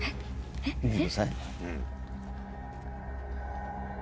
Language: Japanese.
見ててください。